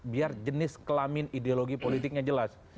biar jenis kelamin ideologi politiknya jelas